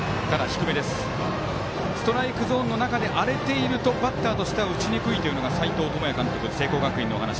ストライクゾーンの中で荒れているとバッターとしては打ちにくいというのが聖光学院の斎藤智也監督のお話。